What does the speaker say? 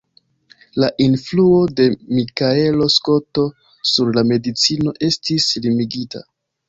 La influo de Mikaelo Skoto sur la medicino estis limigita.